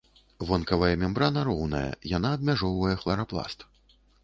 Вонкавая мембрана роўная, яна абмяжоўвае хларапласт.